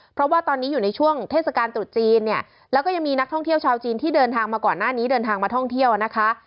เพราะว่าตอนนี้อยู่ในช่วงเทศกาลตรุษจีนเนี่ยแล้วก็ยังมีนักท่องเที่ยวชาวจีนที่เดินทางมาก่อนหน้านี้เดินทางมาท่องเที่ยวนะคะ